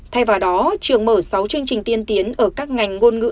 thay vào đó trường mở sáu chương trình tiên tiến ở các ngành ngôn ngữ